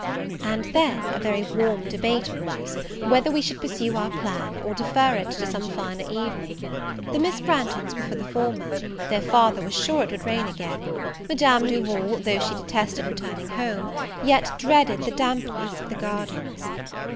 And then a very warm debate arose, whether we should pursue our plan, or defer it to some finer evening. The Miss Branghtons were for the former; their father was sure it would rain again; Madame Duval, though she detested returning home, yet dreaded the dampness of the gardens.